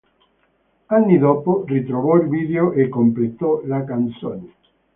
Anni dopo ritrovò il video e completò la canzone.